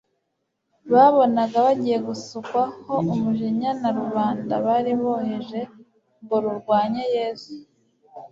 Babonaga bagiye gusukwaho umujinya na rubanda bari boheje ngo rurwanye Yesu,